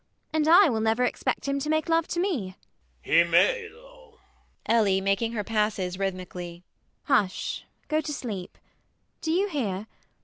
And I will never expect him to make love to me. MANGAN. He may, though. ELLIE [making her passes rhythmically]. Hush. Go to sleep. Do you hear?